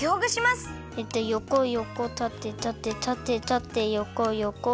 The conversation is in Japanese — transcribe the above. えっとよこよこたてたてたてたてよこよこ。